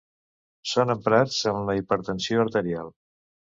Són emprats en la hipertensió arterial.